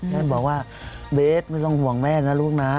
ท่านบอกว่าเบสไม่ต้องห่วงแม่นะลูกนะ